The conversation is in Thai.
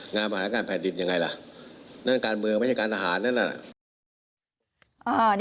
มหาการแผ่นดินยังไงล่ะนั่นการเมืองไม่ใช่การทหารนั่นน่ะ